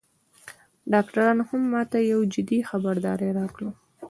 ډاکترانو هم ماته یو جدي خبرداری راکړ